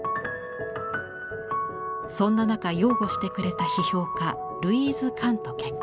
そんな中擁護してくれた批評家ルイーズ・カンと結婚。